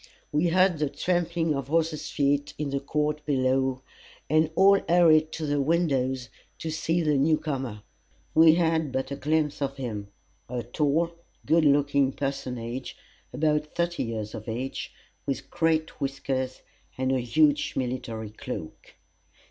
We heard the trampling of horses' feet in the court below, and all hurried to the windows, to see the new comer. We had but a glimpse of him a tall, good looking personage, about thirty years of age, with great whiskers, and a huge military cloak.